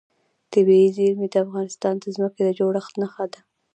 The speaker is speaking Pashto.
طبیعي زیرمې د افغانستان د ځمکې د جوړښت نښه ده.